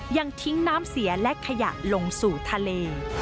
ยังทิ้งน้ำเสียและขยะลงสู่ทะเล